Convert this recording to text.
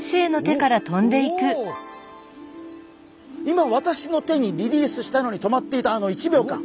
今私の手にリリースしたのにとまっていたあの１秒間。